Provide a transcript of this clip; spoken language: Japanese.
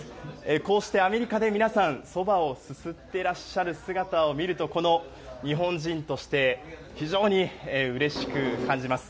こうしてアメリカで皆さん、そばをすすってらっしゃる姿を見ると、この日本人として非常にうれしく感じます。